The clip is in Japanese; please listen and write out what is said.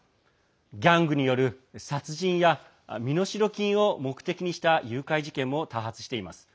ギャングによる殺人や身代金を目的にした誘拐事件も多発しています。